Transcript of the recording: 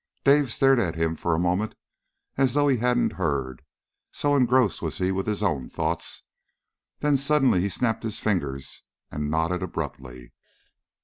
Dave stared at him for a moment as though he hadn't heard, so engrossed was he with his own thoughts. Then suddenly he snapped his fingers and nodded abruptly.